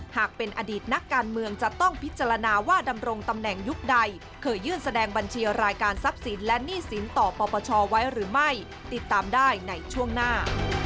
หากเป็นอดีตนักการเมืองจะต้องพิจารณาว่าดำรงตำแหน่งยุคใดเคยยื่นแสดงบัญชีรายการทรัพย์สินและหนี้สินต่อปปชไว้หรือไม่ติดตามได้ในช่วงหน้า